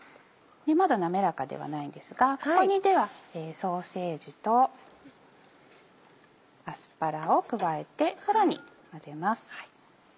まだ滑らかではないんですがここにではソーセージとアスパラを加えてさらに混ぜます。